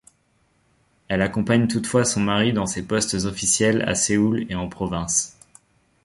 Elle accompagne toutefois son mari dans ses postes officiels à Séoul et en province.